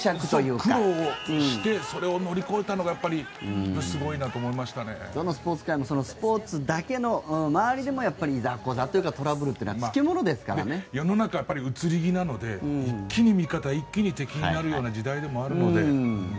苦労してそれを乗り越えたのがどのスポーツ界も周りでもいざこざというかトラブルは世の中は移り気ですので一気に味方、一気に敵になるような時代でもあるので。